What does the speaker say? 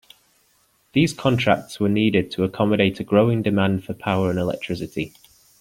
These contracts were needed to accommodate a growing demand for power and electricity.